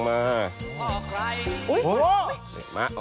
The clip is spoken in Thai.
มาออกไป